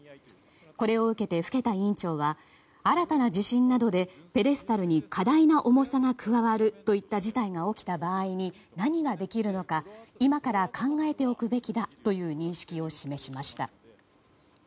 これを受けて更田委員長は新たな地震などでペデスタルに過大な重さが加わるといった事態が起きた場合に何ができるのか今から考えておくべきだという認識を示しました。